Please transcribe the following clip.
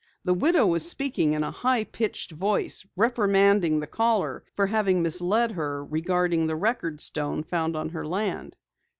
The widow was speaking in a high pitched voice, reprimanding the caller for having misled her regarding the record stone found on her land.